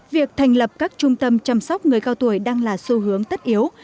việc thành lập các trung tâm chăm sóc người cao tuổi đang là xu hướng tất yếu